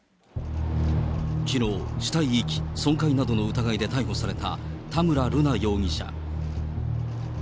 きのう、死体遺棄・損壊などの疑いで逮捕された田村瑠奈容疑者。